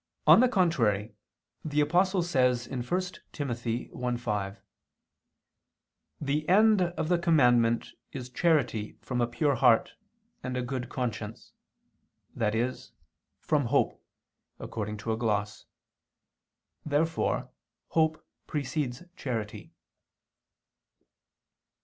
On the contrary, The Apostle says (1 Tim. 1:5): "The end of the commandment is charity from a pure heart, and a good conscience," i.e. "from hope," according to a gloss. Therefore hope precedes charity.